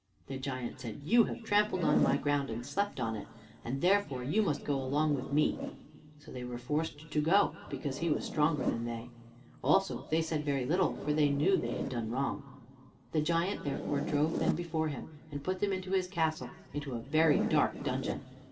The giant said, "You have trampled on my ground, and slept on it, and therefore you must go along with me." So they were forced to go, because he was stronger than they. Also they said very little, for they knew they had done wrong. The giant therefore drove them before him, and put them into his castle, into a very dark dungeon.